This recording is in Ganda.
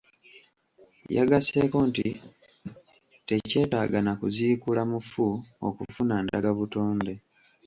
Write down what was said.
Yagasseeko nti tekyetaaga na kuziikula mufu okufuna ndagabutonde.